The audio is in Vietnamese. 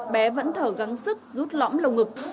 bé vẫn thở gắng sức rút lõm lồng ngực